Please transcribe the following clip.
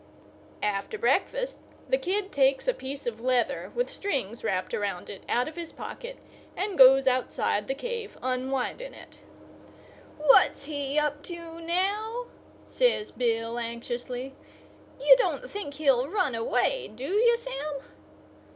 After breakfast the kid takes a piece of leather with strings wrapped around it out of his pocket and goes outside the cave unwinding it. "What's he up to now?" says Bill, anxiously. "You don't think he'll run away, do you, Sam?"